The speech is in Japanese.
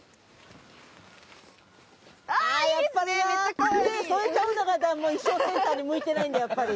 手ぇ添えちゃうのが一生センターに向いてないんだやっぱり。